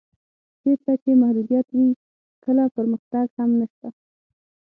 چېرته چې محدودیت وي کله پرمختګ هم نشته.